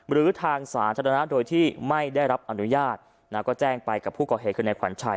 หรือทางสาธารณะโดยที่ไม่ได้รับอนุญาตก็แจ้งไปกับผู้ก่อเหตุคือในขวัญชัย